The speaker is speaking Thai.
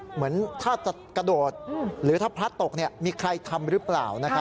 เหมือนถ้าจะกระโดดหรือถ้าพลัดตกมีใครทำหรือเปล่า